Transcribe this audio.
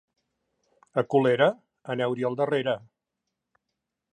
A Colera, aneu-hi al darrere.